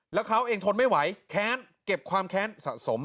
แล้วเขาเองทนไม่ไหวแค้นเก็บความแค้นสะสม